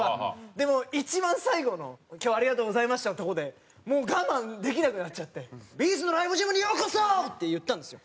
でも一番最後の「今日はありがとうございました」のとこでもう我慢できなくなっちゃって「Ｂ’ｚのＬＩＶＥ−ＧＹＭにようこそ！」って言ったんですよ。